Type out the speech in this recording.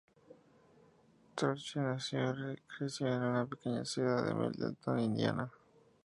Zachary nació y creció en una pequeña ciudad de Middletown, Indiana.